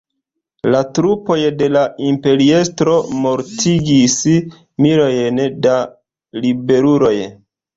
La trupoj de la imperiestro mortigis milojn da ribeluloj.